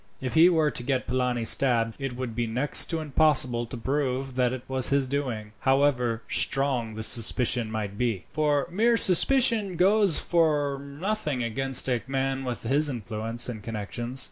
If he were to get Polani stabbed, it would be next to impossible to prove that it was his doing, however strong the suspicion might be; for mere suspicion goes for nothing against a man with his influence and connections.